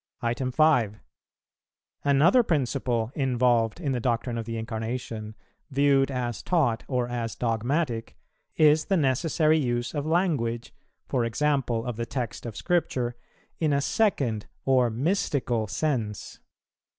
5. Another principle involved in the doctrine of the Incarnation, viewed as taught or as dogmatic, is the necessary use of language, e. g. of the text of Scripture, in a second or mystical sense.